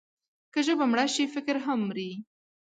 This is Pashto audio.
که ژبه مړه شي، فکر هم مري.